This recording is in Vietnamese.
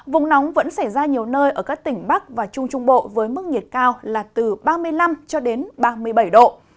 vùng nóng vẫn xảy ra nhiều nơi ở các tỉnh bắc và trung trung bộ với mức nhiệt cao là từ ba mươi năm cho đến ba mươi bảy độ